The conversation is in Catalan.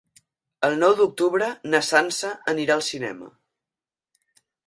El nou d'octubre na Sança anirà al cinema.